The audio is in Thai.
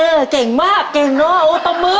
เออเก่งมากเก่งเนอะตบมือ